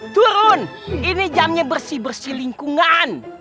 turun ini jamnya bersih bersih lingkungan